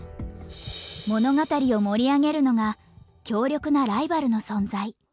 物語を盛り上げるのが強力なライバルの存在。